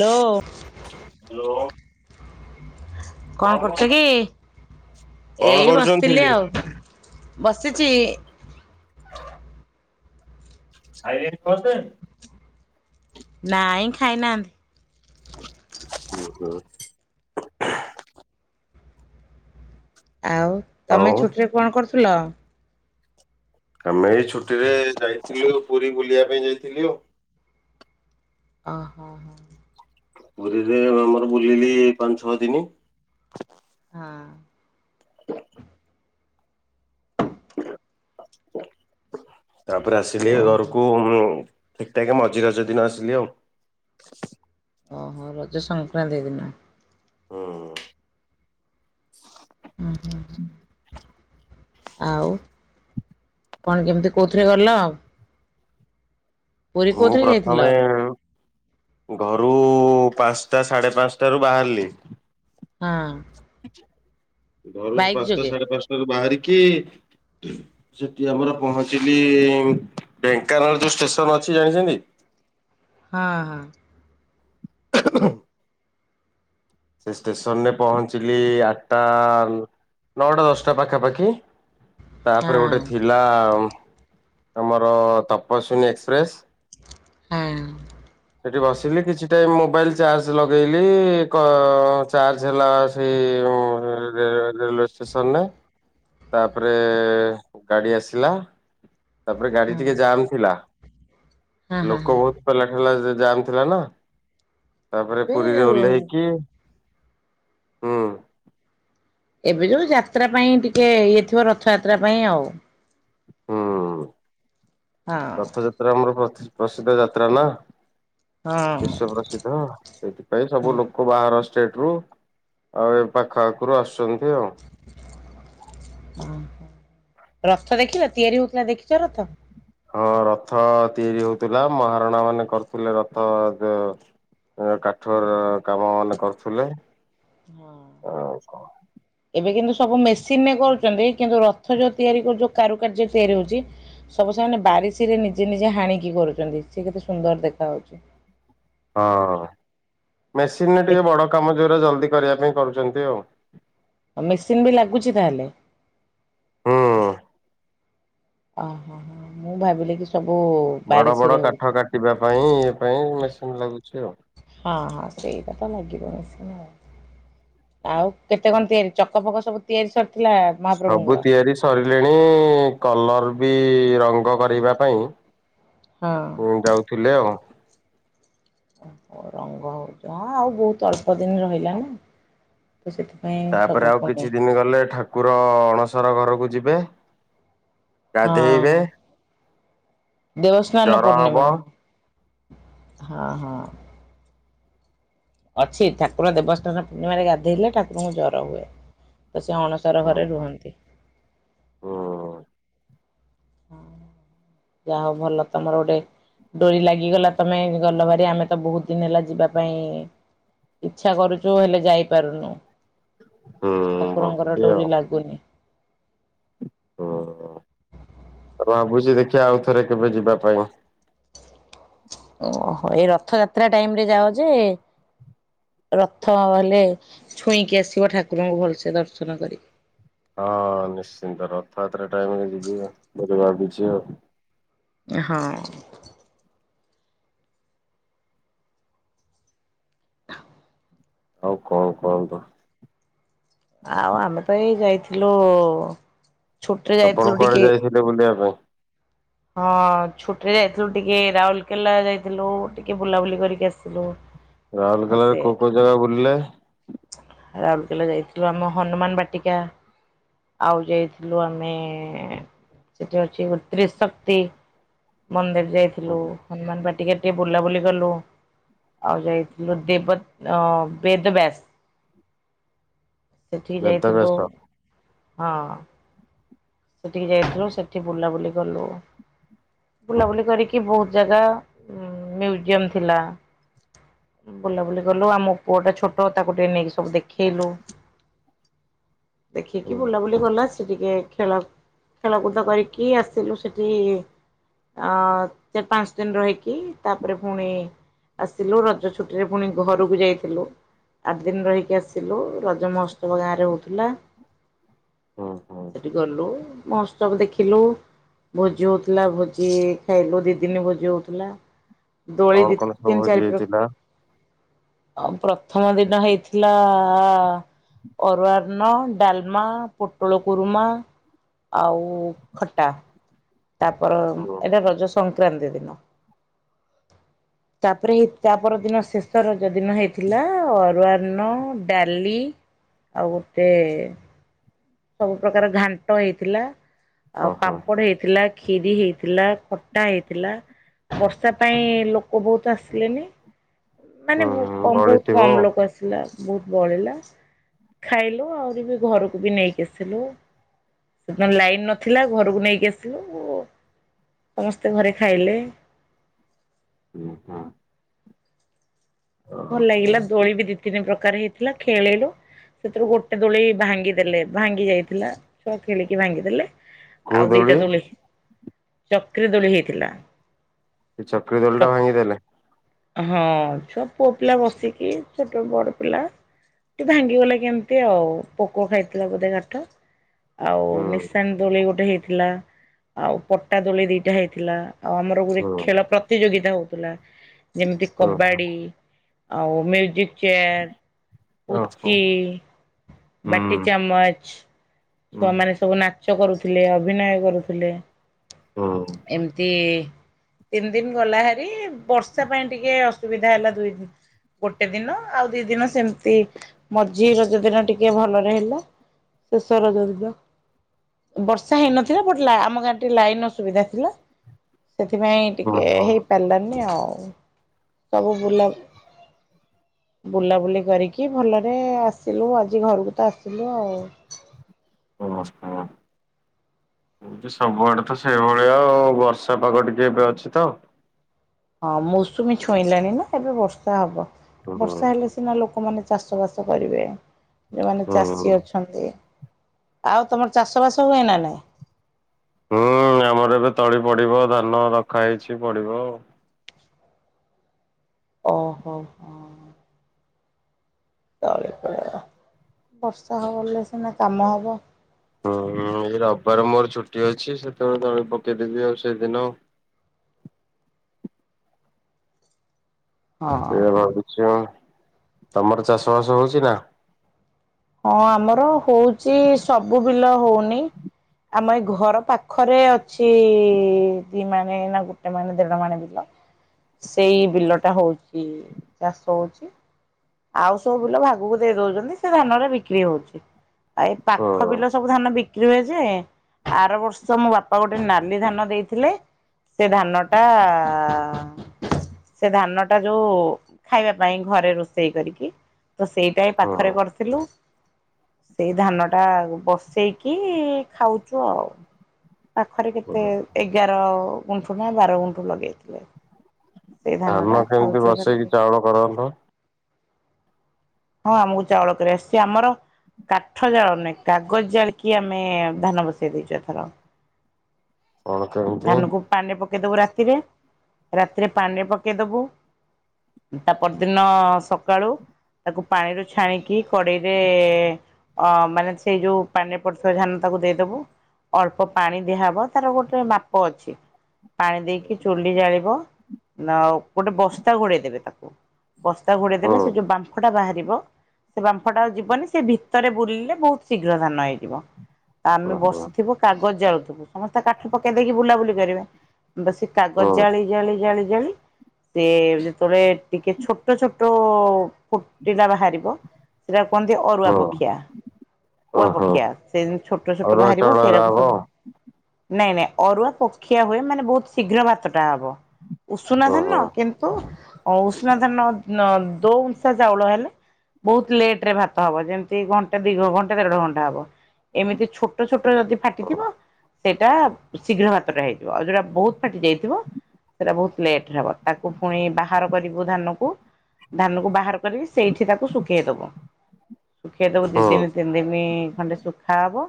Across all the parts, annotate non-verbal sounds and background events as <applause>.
ହଁ। ହ୍ୟାଲୋ। କଣ କରୁଛ କି? କଣ ଏଇ କରୁଛନ୍ତି? ବସିଥିଲି ଆଉ। ବସିଚି। ସାଇଲେଣି ପାସ୍‌ପେ ନାଇଁ ଖାଇନାହାନ୍ତି। ଓହୋ। ଆଉ ତମେ ଆଉ ଛୁଟିରେ କଣ କରୁଥିଲ? ଖାଲି ଏଇ ଛୁଟି ରେ ଯାଇଥିଲୁ ପୁରୀ ବୁଲିବା ପାଇଁ ଯାଇଥିଲୁ ଆଉ। ଅହ। <unintelligible> ବୁଲିଲି ପାଞ୍ଚ ଛଅ ଦିନ। ହଁ। ହ ତାପରେ ଆସିଲି ଓହୋ ଘରକୁ ଉଁ ଠିକ୍ ଠାକ୍ ମଝି ରଜ ଦିନ ଆସିଲି ଆଉ। ଓହୋ ରଜ ସଂକ୍ରାନ୍ତି ଦିନ? ହୁଁ। ହୁଁ। ହୁଁ। ଆଉ କଣ କେମିତି କୋଉଥିରେ ଗଲ? ପୁରୀ ମୁଁ କୋଉଥିରେ ଯାଇଥିଲ? ପ୍ରଥମେ ଘରୁ ପାଞ୍ଚଟା ସାଢ଼େ ପାଞ୍ଚଟାରୁ ବାହାରିଲି ହୁଁ। ଘରୁ ପାଞ୍ଚଟା ଯୋଗେ ସାଢେ ପାଞ୍ଚଟାରୁ ବାହାରିକି ସେଠି ଆମର ପହଞ୍ଚିଲି ଢେଙ୍କାନାଳ ଯୋଉ ଷ୍ଟେସନ ଅଛି ଜାଣିଛନ୍ତି? ହଁ ହଁ। ସେ ଷ୍ଟେସନରେ ପହଞ୍ଚିଲି ଆଠଟା ନଅଟା ଦଶଟା ପାଖାପାଖି। ହଁ ତାପରେ ଗୋଟେ ଥିଲା ଆଉ ଆମର ତପସ୍ୱିନୀ ଏକ୍ସପ୍ରେସ୍ - ହୁଁ। ସେଠି ବସିଲି କିଛି ଟାଇମ ମୋବାଇଲ ଚାର୍ଜ ଲଗେଇଲି ଇ କ ଚାର୍ଜ ହେଲା ସେ ଉଁ ରେ-ରେଲୱେ ଷ୍ଟେସନରେ। ତାପରେ ଏ ଗାଡ଼ି ଆସିଲା। ତାପରେ ଗାଡି ଟିକେ ଜାମ୍ ଥିଲା। ହଁ ହଁ ହଁ। ଲୋକ ବହୁତ ଥେଲା ଜାମ୍ ଥିଲା ନା। ହଁ ତାପରେ ଏବେ ପୁରୀରେ ଓହ୍ଲେଇକି ହୁଁ। ଏବେ ଯୋଉ ଯାତ୍ରା ପାଇଁ ଟିକେ ଇଏ ଥିବ ରଥଯାତ୍ରା ପାଇଁ ଆଉ। ହୁଁ ହଁ ରଥଯାତ୍ରା ଆମର ପ୍ରତ୍ ପ୍ରସିଦ୍ଧ ଯାତ୍ରା ନା। ହଁ ବିଶ୍ଵ ପ୍ରସିଦ୍ଧ ସେଇଥିପାଇଁ ସବୁ ହଁ ଲୋକ୍ କ ବାହାର ଷ୍ଟେଟ ରୁ ଆଉ ଏ ପାଖ ଆଖରୁ ଆସୁଚନ୍ତି ଆଉ। ଅ ହଁ। ରଥ ଦେଖିଲ ତିଆରି ହଉଥିଲା ଦେଖିଚ ରଥ? ହଁ ରଥ ତିଆରି ହଉଥିଲା ମହାରଣା ମାନେ କରୁଥିଲେ ରଥ ଦ କାଠର କାମ ମାନେ କରୁଥିଲେ। ହଁ। ଆଉ ହଁ। ଏବେ କିନ୍ତୁ ସବୁ ମେସିନରେ କରୁଚନ୍ତି କିନ୍ତୁ ରଥ ଯୋଉ ତିଆରି କରୁ ଯୋଉ କାରୁକାର୍ଯ୍ୟରେ ତିଆରି ହଉଚି ସବୁ ସେମାନେ ବାରିଶୀ ରେ ନିଜେ ନିଜେ ହାଣିକି କରୁଚନ୍ତି। ସେ କେତେ ସୁନ୍ଦର ଦେଖା ଯାଉଚି। ହଁ ମେସିନ୍ରେ ଦେଖ ଟିକେ ବଡ଼ କାମ ଯୋଉରା ଜଲ୍ଦି କରିବା ପାଇଁ କରୁଚନ୍ତି ଆଉ। ଆ ମେସିନ ବି ଲାଗୁଚି ତାହେଲେ? ହୁଁ ଅ ହ ହ ହ ମୁଁ ଭାବିଲି କିି ବଡ ବଡ କାଠ କାଟିବା ପାଇଁ ଇଏ ପାଇଁ ମେସିନ ଲାଗୁଛି ଆଉ। ହଁ ହଁ ସେଇପା ତ ଲାଗିବ ମେସିନ୍ ଆଉ। ଆଉ କେତେ କଣ ତିଆରି ଚକ ଫକ ସବୁ ତିଆରି ସରିଥିଲା? ସବୁ ମହାପ୍ରଭୁଙ୍କର? ତିଆରି ସରିଲେଣି କଲର ବି ରଙ୍ଗ କରିବା ପାଇଁ ଉଁ ହଁ ଯାଉଥିଲେ ଆଉ। ଓୋ ହୋ ରଙ୍ଗ ହଉଚି। ହଁ ଆଉ ବହୁତ ଅଳ୍ପ ଦିନ ରହିଲା ନା। ତ ସେଥିପାଇଁ ସବୁ ତାପରେ ଆଉ ପୁଣି କିଛି ଦିନ ଗଲେ ଠା କୁର ଅଣସର ଘରକୁ ଯିବେ ହଁ ଗାଧେଇବେ। ଦେବସ୍ନାନ ଜର ପୂର୍ଣ୍ଣିମା ହବ ହଁ ହଁ ହଁ। ଅଛି ଠାକୁର ଦେବସ୍ନାନ ପୂର୍ଣ୍ଣିମାରେ ଗାଧେଇଲେ ଠାକୁରଙ୍କୁ ଜର ହୁଏ। ତ ସେ ଅଣସର ହୁଁ ଘରେ ରୁହନ୍ତି। ହୁଁ। ଯାହା ହଉ ଭଲ ତମର ଗୋଟେ ଡୋରି ଲାଗିଗଲା ତମେ ଗଲ ଭାରି ଆମେ ତ ବହୁତ ଦିନ ହେଲା ଯିବା ପାଇଁ ଇଚ୍ଛା କରୁଚୁ ହେଲେ ଯାଇପାରୁନୁ। ହୁଁ ଠାକୁରଙ୍କର ଭକ୍ତି ଆଉ ଡୋରି ଲାଗୁନି। ଉଁ ଭାବୁଚି ଦେଖିଆ ଆଉ ଥରେ କେବେ ଯିବା ପାଇଁ। ଓହୋ ଏଇ ରଥଯାତ୍ରା ଟାଇମ ରେ ଯାଅ ଯେ ରଥ ହେଲେ ଛୁଇଁକି ଆସିବ ଠାକୁରଙ୍କୁ ଭଲସେ ଦର୍ଶନ କରି। ହଁ ନିଶ୍ଚିନ୍ତ ରଥଯାତ୍ରା ଟାଇମରେ ଯିବି ବୋଲି ଭାବିଛି ଆଉ। ଏ ହଁ। ଆଉ କଣ କୁହନ୍ତୁ। ଆଉ ଆମେ ତ ଏଇ ଯାଇଥିଲୁ ଛୁଟିରେ ଆପଣ ଯାଇଥିଲୁ କୁଆଡେ ଟିକେ ଯାଇଥିଲେ ବୁଲିବା ପାଇଁ? ହଁ ଛୁଟିରେ ଯାଇଥିଲୁ ଟିକେ ରାଉଲକେଲା ଯାଇଥିଲୁ ଟିକେ ବୁଲାବୁଲି କରିକି ଆସିଥିଲୁ। ରାଉଲକେଲାରେ କୋଉ କୋଉ ଜାଗା ବୁଲିଲେ? ରାଉରକେଲା ଯାଇଥିଲୁ ଆମ ହନୁମାନ ବାଟିକା ଆଉ ଯାଇଥିଲୁ ଆମେ ସେଠି ଅଛି ଗୋ ତ୍ରିଶକ୍ତି ମନ୍ଦିର୍ ଯାଇଥିଲୁ ହନୁମାନ ବାଟିକା ଟିକେ ବୁଲାବୁଲି କଲୁ। ଆଉ ଯାଇଥିଲୁ ଦେବ ଅଂ ବେଦବ୍ୟାସ୍। ସେଠିକି ଯାଇଥିଲୁ ବେଦବ୍ୟାସ ହଁ। ସେଠିକି ଯାଇଥିଲୁ ସେଠି ବୁଲାବୁଲି କଲୁ। ବୁଲାବୁଲି କରିକି ବୋହୁତ ଜାଗା ମ୍ୟୁଜିୟମ୍ ଥିଲା। ବୁଲାବୁଲି କଲୁ ଆମ ପୁଅଟା ଛୋଟ ତାକୁ ଟିକେ ନେଇକି ସବୁ ଦେଖେଇଲୁ। ହୁଁ ଦେଖିକି ବୁଲାବୁଲି କଲା ସେ ଟିକେ ଖେଳ ଖେଳକୁଦ କରିକି ଆସିିଲୁ ସେଠି ଅଂ ଚାର ପାଞ୍ଚ ଦିନ ରହିକି ତାପରେ ଫୁଣି ଆସିଲୁ ରଜ ଛୁଟିରେ ପୁଣି ଘରକୁ ଯାଇଥିଲୁ। ଆଠ ଦିନ୍ ରହିକି ଆସିଲୁ ରଜ ମହୋତ୍ସବ ଗାଁରେ ହୋଉଥିଲା। ହୁଁ ହୁଁ ସେଠି ଗଲୁ ମହୋତ୍ସବ ଦେଖିଲୁ। ଭୋଜି ହୋଉଥିଲା ଭୋଜି ଖାଇଲୁ ଦି ଦିନ ଭୋଜି ହୋଉଥୁଲା। ଦୋଳି କଣ ଦି କଣ ସବୁ ତିନ ଭୋଜି ଚାରି ପ୍ର ହେଇଥିଲା? ଅ ପ୍ରଥମ ଦିନ ହେଇଥିଲା ଆ ଅରୁଆ ଅନ୍ନ, ଡାଲମା, ପୋଟଳ କୁରୁମା ଆଉ ଖଟା। ତାପର ହୁଁ ଏଇଟା ରଜ ସଂକ୍ରାନ୍ତି ଦିନ। ତାପରେ ହେ ତାପର ଦିନ ଶେଷ ରଜ ଦିନ ହେଇଥିଲା ଅରୁଆ ଅନ୍ନ, ଡାଲି ଆଉ ଗୁଟେ ସବୁ ପ୍ରକାର ଘାଣ୍ଟ ହେଇଥିଲା ଆଉ ଓହୋ ପାମ୍ପଡ ହେଇଥିଲା। ଖିରି ହେଇଥିଲା ଖଟା ହେଇଥିଲା। ବର୍ଷା ପାଇଁ ଲୋକ ବୋହୁତ ଆସିଲେନି ମାନେ ହୁଁ ବୋ ହୁଁ କମ୍ ବୋହୁତ ବଳିଥିବ କମ୍ ଲୋକ ଆସି ଥିଲା ବୋହୁତ ବଳିଲା ଖାଇଲୁ ଆହୁରି ବି ଘରକୁ ବି ନେଇକି ଆସିଲୁ। ସେ ଦିନ ଲାଇନ୍ ନଥିଲା ଘରକୁ ନେଇକି ଆସିଲୁ। ସମସ୍ତେ ଘରେ ଖାଇଲେ। ହୁଁ ହଁ। ଭଲ ଲାଗିଲା ଦୋଳି ବି ଦି ତିନି ପ୍ରକାର ହେଇଥିଲା ଖେଳିଲୁ। ସେଥିରୁ ଗୋଟେ ଦୋଳି ଭାଙ୍ଗିଦେଲେ ଭାଙ୍ଗି ଯାଇଥିଲା ଛୁଆ ଖେଳିକି ଭାଙ୍ଗିଦେଲେ। ଆଉ ଦିଇଟା ଦୋଳି ଚକ୍ରୀ ଦୋଳି ହେଇଥିଲା। ସେ ଚକ୍ରୀ ଚ ଦୋଳିଟା ଭାଙ୍ଗିଦେଲେ? ହଁ ଛୁଆ ପୁଅ ପିଲା ବସିକି ଛୋଟ ବଡ ପିଲା ଏ ଭାଙ୍ଗିଗଲା କେମିତି ଆଉ ପୋକ ଖାଇଥିଲା ବୋଧେ କାଠ। ଆଉ ହୁଁ ନିଶାଣି ଦୋଳି ଗୋଟେ ହେଇଥିଲା ଆଉ ପଟା ଦୋଳି ଦିଇଟା ହେଇଥିଲା। ଆଉ ଆମର ଗୋଟେ ହୁଁ ଖେଳ ପ୍ରତିଯୋଗିତା ହୋଉଥିଲା। ଯେମିତି ହୁଁ କବାଡି ଆଉ ମ୍ୟୁଜିକ୍ ଚେୟାର ପୁଚି, ଓହୋ ହୁଁ ବାଟି ଚାମଚ ହୁଁ ଛୁଆ ମାନେ ସବୁ ନାଚ କରୁଥିଲେ ଅଭିନୟ କରୁଥିଲେ। ହୁଁ। ଏମିତି। ତିନି ଦିନ ଗଲା ଭାରି ବର୍ଷା ପାଇଁ ଟିକେ ଅସୁବିଧା ହେଲା ଦୁଇ ଦିନ। ଗୋଟେ ଦିନ ଆଉ ଦି ଦିନ ସେମିତି ମଝି ରଜ ଦିନ ଟିକେ ଭଲରେ ହେଲା। <unintelligible> ବର୍ଷା ହେଇନଥିଲା ବଟ ଆମ ଗାଁରେ ଟିକେ ଲାଇନ ର ଅସୁବିଧା ଥିଲା। ସେଥିପାଇଁ ଓହୋ ଟିକେ ହେଇପାରିଲାନି ଆଉ ସବୁ ବୁଲା ବୁଲାବୁଲି କରିକି ଭଲରେ ଆସିଲୁ ଆଜି ଘରକୁ ତ ଆସିଲୁ ଆଉ। <inaudible> ସବୁଆଡେ ତ ସେଇଭଳିଆଉ ବର୍ଷା ପାଗ ଟିକେ ଏବେ ଅଛି ତ। ହଁ ମୌସୁମୀ ଛୁଇଁଲାଣି ନା ଏବେ ବର୍ଷା ହବ ହୁଁ ବର୍ଷା ହେଲେ ସିନା ଲୋକମାନେ ଚାଷ ବାସ କରିବେ ଯେଉମାନେ ହୁଁ ଚାଷୀ ଅଛନ୍ତି। ଛନ୍ତି ଆଉ ତମର ଚାଷ ବାସ ହୁଏ ନା ନାଇଁ। ହୁଁ ଆମର ଏବେ ତଳି ପଡିବ ଧାନ ରଖା ହେଇଛି ପଡିବ ଆଉ। ଓହୋ ହୋ। ତଳିପଡିବ ବର୍ଷା ହେଲେ ସିନା କାମ ହବ। ହୁଁ ଏଇ ରବିବାର ମୋର ଛୁଟି ଅଛି ସେତେବେଳେ ତଳି ପକେଇଦେବି ଆଉ ସେଇଦିନ ଆଉ। ହଁ ସେଇଆ ଭାବିଛି ଆଉ ତମର ଚାଷ ବାସ ହଉଛି ନା। ହଁ ଆମର ହଉଛି ସବୁ ବିଲ ହଉନି। ଆମ ଏଇ ଘର ପାଖରେ ଅଛି ଦି ମାଣେ ନା ଗୋଟେ ମାଣ ଦେଢ ମାଣେ ବିଲ। ସେଇ ବିଲଟା ହଉଛି ଚାଷ ହଉଛି। ଆଉ ସବୁ ବିଲ ଭାଗକୁ ଦେଇ ଦଉଛନ୍ତି ସେ ଧାନରେ ବିକ୍ରି ହଉଛି ଆଉ ଏଇ ପାଖ ହଁ ବିଲ। ସବୁ ଧାନ ବିକ୍ରି ହୁଏ ଯେ ଆର ବର୍ଷ ମୋ ବାପା ଗୋଟେ ନାଲି ଧାନ ଦେଇଥିଲେ। ସେ ଧାନଟା ସେ ଧାନ ଟା ଯୋଉ ଖାଇବା ପାଇଁ ଘରେ ରୋଷେଇ ସେଇ କରିକି ତ ସେଇଟା ପାଖରେ କରିଥିଲୁ। ସେଇ ଧାନ ଟା ବସେଇକି ଖାଉଛୁ ଆଉ। ପାଖରେ କେତେ ହଁ ଏଗାର ଗୁଣ୍ଠୁ ନା ବାର ଗୁଣ୍ଠୁ ଲଗେଇଥିଲେ। ସେଇ ଧାନ ଟା ଖାଉଛ। <inaudible> କଣ କରନ୍ତ। ହଁ ଆମକୁ ଚାଉଳ କରି ଆସିଛି ଆମର। କାଠ ଜାଳ ନେଁ କାଗଜ ଜାଳ କି ଆମେ ଧାନ ବସେଇ ଦେଇଛୁ ଏଥର। କଣ କେମିତି ହୁଁ ଧାନ କୁ ପାଣିରେ ପକେଇଦବୁ ରାତିରେ ରାତିରେ ପାଣିରେ ପକେଇ ଦବୁ। ତା ପରଦିନ ସକାଳୁ। ତାକୁ ପାଣିରୁ ଛାଣିକି କଡେଇରେ। ଅ ମାନେ ସେଇ ଯୋଉ ପାଣିରେ ପଡିଥିବା ଧାନ ଟାକୁ ଦେଇଦବୁ। ଅଳ୍ପ ପାଣି ଦିଆହବ ତାର ଗୋଟେ ମାପ ଅଛି। ପାଣି ଦେଇକି ଚୁଲି ଜାଳିବ ନା ଗୋଟେ ବସ୍ତା ଘୋଡେଇଦବେ ତାକୁ। ବସ୍ତା ଘୋଡେଇ ଓ ଦେଲେ ସେ ଯଉ ବା ବାହାରିବ ସେ ବାମ୍ଫ ଟା ଯିବନି ସେ ଭିତରେ ବୁଲିଲେ ବହୁତ ଶୀଘ୍ର ଧାନ ହେଇଯିବ। ଆମେ ହୋ ବସିଥିବୁ କାଗଜ ଜାଳୁଥିବୁ ସମସ୍ତେ କାଠ ପକେଇ ଦେଇକି ବୁଲାବୁଲି କରିବେ ବ କାଗଜ ହୁଁ ଜାଳି ଜାଳି ଜାଳି ଜାଳି ସେ ଯେତେବେଳେ ଟିକେ ଛୋଟ ଛୋଟ ଫୁଟିଲା ବାହାରିବ ସେଟା କୁହନ୍ତି ଅରୁଆ ହୁଁ ପକ୍ଷିଆ। ଓ ଉଆ ହୋ ପକ୍ଷିଆ ସେ ଛୋଟ ଛୋଟ ଅରୁଆ ବାହାରିବ ଚାଉଳ ଏରା ସେଇଡାକୁ ହବ ସବୁ। ନାଇଁ ନାଇଁ ଅରୁଆ ପକ୍ଷିଆ ହୁଏ ମାନେ ବହୁତ ଶୀଘ୍ର ଭାତଟା ହବ ଉଷୁନା ଓ ହୋ ଧାନ କି ତ ଉଷୁନା ଧାନ ଦୋ ଉଂଷା ଚାଉଳ <unintelligible> ବହୁତ ଲେଟ ରେ ଭାତ ହବ, ଯେମିତି ଘଣ୍ଟା ଦୀର୍ଘ ଘଣ୍ ଦେଢ ଘଣ୍ଟା ହବ, ଏମିତି ଛୋଟ ଛୋଟ ଯଦି ଫାଟିଥିବ ହୁଁ ସେଇଟା ଶୀଘ୍ର ମାତ୍ରାରେ ହେଇଯିବ ଆଉ ଯୋଉଟା ବହୁତ ଫାଟି ଯାଇଚି ସେଇଟା ବହୁତ ଲେଟ ହବ, ତାକୁ ପୁଣି ବାହାର କରିବୁ ଧାନକୁ। ଧାନ କୁ ବାହାର କରିକି ସେଇଠି ତାକୁ ଶୁଖେଇ ଦବ, ଶୁଖେଇ ଦବ ସେ ହୁଁ <unintelligible> ଖଣ୍ଡେ ଶୁଖା ହବ।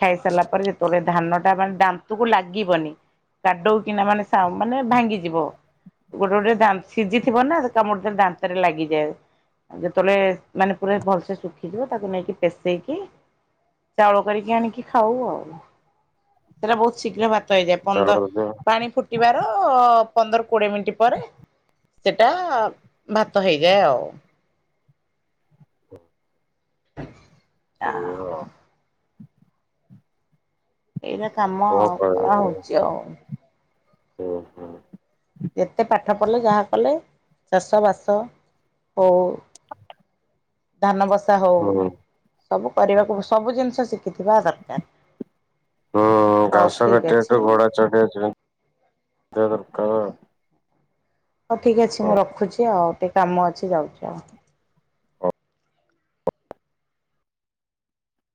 ଖାଇ ସାରିଲା ପରେ ଯେତେବେଳେ ଧାନଟା ମାନେ ଦାନ୍ତକୁ ଲାଗିନି <unintelligible> କିନା ମାନେ ସା ମାନେ ଭାଙ୍ଗିଯିବ। ଗୋଟେ ଗୋଟେ ଦା ସିଝିଥିବ ନା କାମୁଡ ଦାନ୍ତରେ ଲାଗିଯାଏ। ଯେତେବେଳେ ମାନେ ପୁରା ଭଲସେ ଶୁଖିଯିବ ତାକୁ ନେଇକି ପେଷେଇକି ଚାଉଳ କରିକି ଆଣିକି ଖାଉ ଆଉ। ସେଇଟା ବହୁତ ଶୀଘ୍ର ଭାତ ହେଇଯାଏ, ପନ୍ଦର ଚାଉଳ ପାଣି ଫୁଟିବାର ପନ୍ଦର କୋଡିଏ ମିନିଟ ପରେ ସେଇଟା ଭାତ ହେଇଯାଏ ଆଉ। <inaudible> ଆ ସେଇ ତ ଏଇଟା କାମ ଆଉ କଣ କରା ହୋଉଚି ଆଉ। ଓହୋ। ଯେତେ ପାଠ ପଢ଼ିଲେ ଯାହା କଲେ ଚାଷବାସ ହଉ ଧାନ ବସା ହଉ, ହୁଁ ସବୁ କରିବାକୁ ସବୁ ଜିନିଷ ଶିଖିଥିବା ଦରକାର। ହୁଁ ହଉ ଘାସ ଠିକ୍ ଅଛି କାଟିବାଠୁ ଘୋଡା ଚଢିଆ ଦରକାର ଆଉ। ହଉ ଠିକ ଅଛି ମୁଁ ରଖୁଛି ଆଉ, ଟିକେ କାମ ଅଛି ଯାଉଛି ଆଉ। ହଁ